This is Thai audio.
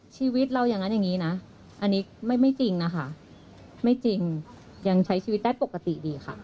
ชีวิตเราอย่างนั้นอย่างนี้นะอันนี้ไม่จริงนะคะไม่จริงยังใช้ชีวิตได้ปกติดีค่ะ